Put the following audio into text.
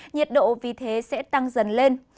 nhiệt độ vì thế sẽ tăng dần lên